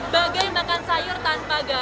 bagai makan sayur tanpa garam